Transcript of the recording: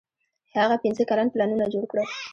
هند پنځه کلن پلانونه جوړ کړل.